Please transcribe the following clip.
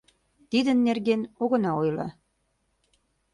Тидын нерген огына ойло.